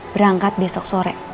berangkat besok sore